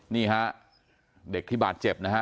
นี่ฮะเด็กที่บาดเจ็บนะฮะ